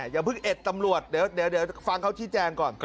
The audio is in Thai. อย่าเพิ่งเอ็ดตำรวจเดี๋ยวฟังเขาชี้แจงก่อน